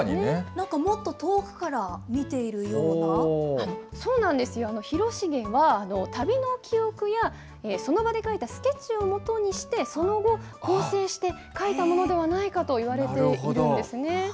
なんかもっと遠くから見ていそうなんですよ、広重は、旅の記憶やその場で描いたスケッチをもとにして、その後、構成して描いたものではないかといわれているんですね。